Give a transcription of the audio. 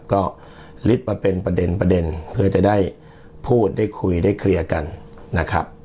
ก็ลิฟต์มาเป็นประเด็นประเด็นเพื่อจะได้พูดได้คุยได้เคลียร์กันนะครับ